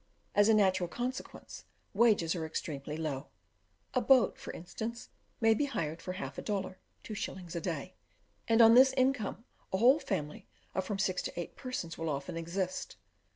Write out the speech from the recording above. As a natural consequence, wages are extremely low; a boat, for instance, may be hired for half a dollar (2s.) a day, and on this income, a whole family of from six to eight persons will often exist.